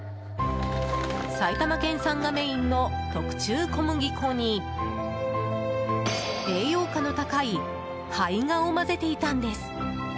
埼玉県産がメインの特注小麦粉に栄養価の高い胚芽を混ぜていたんです。